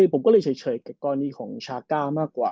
ผมก็เลยเฉยกับกรณีของชาก้ามากกว่า